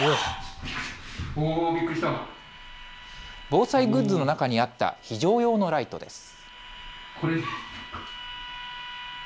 防災グッズの中にあった非常用のライトです。